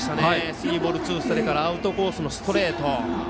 スリーボールツーストライクからアウトコースのストレート。